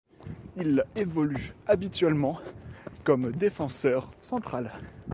Il évolue habituellement comme défenseur central.